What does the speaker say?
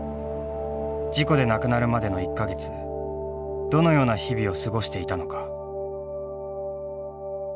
事故で亡くなるまでの１か月どのような日々を過ごしていたのか。